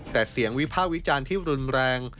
แต่เสียงวิพากษ์วิจารณ์ที่รุนแรง